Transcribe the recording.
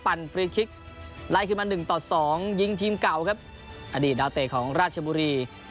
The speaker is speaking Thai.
ปั่นฟรีดคลิกไล่ขึ้นมา๑๒ยิงทีมเก่าครับอดีตดาวเตะของราชบุรี